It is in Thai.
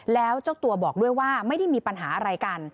แล้วเจ้าตัวบอกด้วยว่าไม่ได้มีปัญหาอะไรกัน